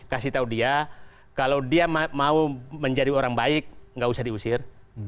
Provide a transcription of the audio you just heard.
kasih tahu dia kalau dia mau menjadi orang baik nggak usah diusir